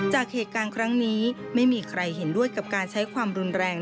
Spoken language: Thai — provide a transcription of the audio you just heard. จากเหตุการณ์ครั้งนี้ไม่มีใครเห็นด้วยกับการใช้ความรุนแรง